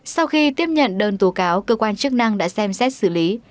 sau khi tiếp nhận đơn tố cáo cơ quan chức năng đã xem xét xử lý